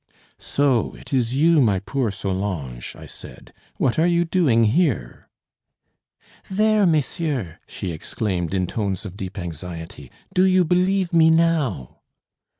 "So it is you, my poor Solange?" I said. "What are you doing here?" "There, messieurs!" she exclaimed in tones of deep anxiety; "do you believe me now?"